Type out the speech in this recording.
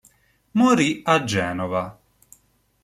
Morì a Genova.